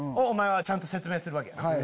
お前はちゃんと説明するわけや。